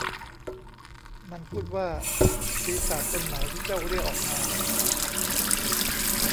มันพูดว่า ปีศาจตนไหนที่เจ้าเรียกออกมา